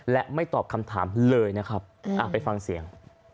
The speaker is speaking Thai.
และไม่ตอบคำถามเลยนะครับไปฟังเสียง